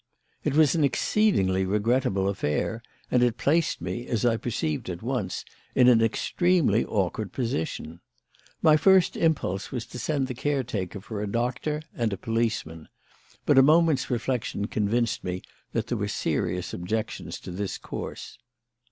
"It was an exceedingly regrettable affair, and it placed me, as I perceived at once, in an extremely awkward position. My first impulse was to send the caretaker for a doctor and a policeman; but a moment's reflection convinced me that there were serious objections to this course.